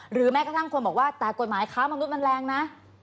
หรือแม่ก็ท่านควรบอกว่าแต่กฎหมายค้ามนุษย์มันแรงนะ